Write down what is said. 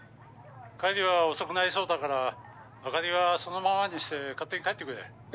帰りは遅くなりそうだから明かりはそのままにして勝手に帰ってくれ。え？